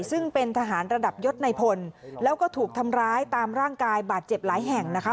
ซึ่งเป็นทหารระดับยศในพลแล้วก็ถูกทำร้ายตามร่างกายบาดเจ็บหลายแห่งนะคะ